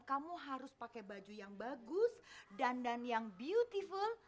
kamu harus pakai baju yang bagus dandan yang beautiful